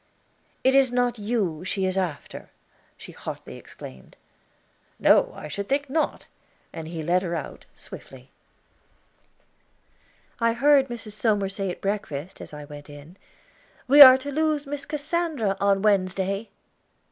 "It is not you she is after," she hotly exclaimed. "No, I should think not." And he led her out swiftly. I heard Mrs. Somers say at breakfast, as I went in, "We are to lose Miss Cassandra on Wednesday."